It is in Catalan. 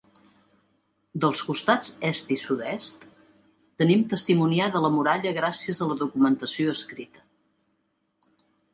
Dels costats est i sud-est, tenim testimoniada la muralla gràcies a la documentació escrita.